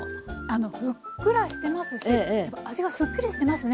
あのふっくらしてますし味がすっきりしてますね。